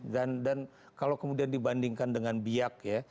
dan kalau kemudian dibandingkan dengan biak ya